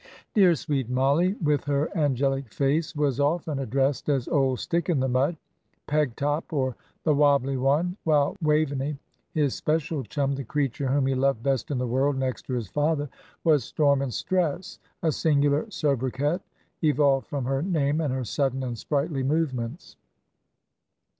Dear, sweet Mollie, with her angelic face, was often addressed as "old Stick in the mud," "Pegtop," or "the wobbly one," while Waveney, his special chum, the creature whom he loved best in the world next to his father, was "Storm and Stress," a singular soubriquet, evolved from her name and her sudden and sprightly movements.